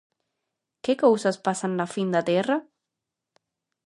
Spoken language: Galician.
Que cousas pasan na fin da terra.